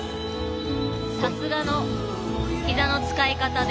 さすがのひざの使い方で。